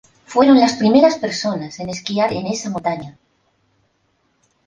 Fueron las primeras personas en esquiar en esa montaña.